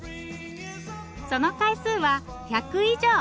その回数は１００以上。